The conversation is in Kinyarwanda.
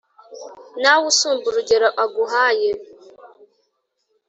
Nawe usumba urugero aguhaye